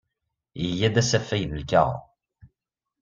Iga-d asafag n lkaɣeḍ.